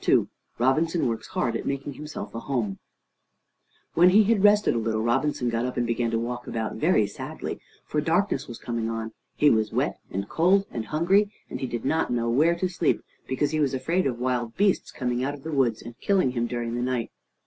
II ROBINSON WORKS HARD AT MAKING HIMSELF A HOME When he had rested a little, Robinson got up and began to walk about very sadly, for darkness was coming on; he was wet, and cold, and hungry, and he did not know where to sleep, because he was afraid of wild beasts coming out of the woods and killing him during the night.